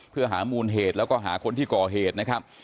เพื่อหามูลเหตุแล้วก็หาคนที่ก่อเหตุนะครับ